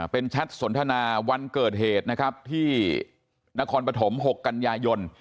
เป็นแชทสนทนาวันเกิดเหตุนะครับที่นครปฐม๖กันยายน